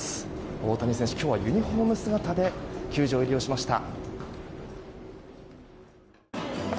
大谷選手、今日はユニホーム姿で球場入りをしました。